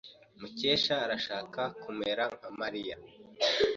Mukesha arashaka kumera nka Mariya.